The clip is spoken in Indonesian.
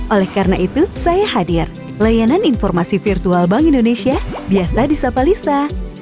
oleh karena itu saya hadir layanan informasi virtual bank indonesia biasa disapa lisa